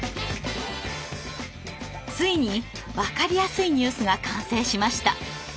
ついにわかりやすいニュースが完成しました。